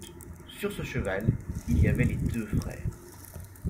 Sur ce cheval il y avait les deux frères.